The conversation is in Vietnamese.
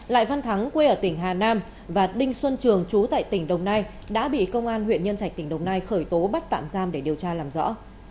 lại văn thắng quê ở tỉnh hà nam và đinh xuân trường chú tại tỉnh đồng nai đã bị công an huyện nhân trạch tỉnh đồng nai khởi tố bắt tạm giam để điều tra làm rõ